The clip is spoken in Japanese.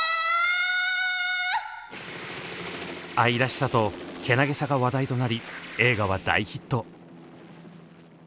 愛らしさとけなげさが話題となり映画は大ヒット。